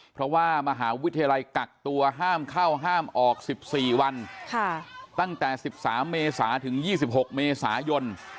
เพราะว่ามหาวิทยาลัยกักตัวห้ามเข้าห้ามออกสิบสี่วันค่ะตั้งแต่สิบสามเมษาถึงยี่สิบหกเมษายนต์